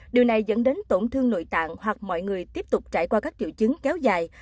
điều này dẫn đến tổn thương nội tạng hoặc mọi người tiếp tục trải qua các triệu chứng kéo dài